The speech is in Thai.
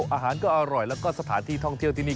อาหารก็อร่อยแล้วก็สถานที่ท่องเที่ยวที่นี่